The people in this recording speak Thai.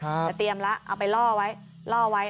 จะเตรียมแล้วเอาไปล่อไว้